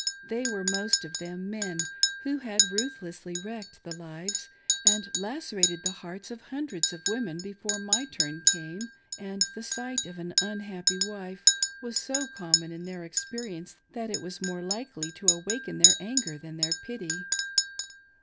They were most' of them men who had ruthlessly wrecked the lives and lacerated the hearts of hun dreds of women before my turn came, and the sight of an unhappy wife was so common in their experience that it was more likely to awaken their anger than their pity.